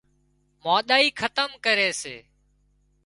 مانۮائي کتم ڪري سي